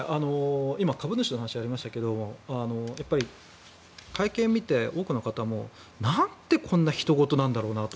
今、株主の話がありましたがやっぱり会見を見て多くの方もなんでこんなひと事なんだろうなと。